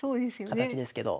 形ですけど。